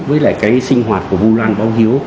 với lại cái sinh hoạt của vô lan báo hiếu